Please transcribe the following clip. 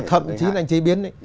thậm chí là anh chế biến